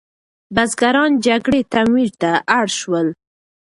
بزګران جګړې تمویل ته اړ شول.